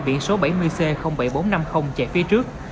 biển số bảy mươi c bảy nghìn bốn trăm năm mươi chạy phía trước